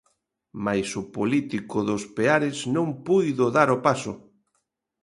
Mais o político dos Peares non puido dar o paso.